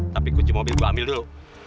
tapi kunci mobil ibu ambil dulu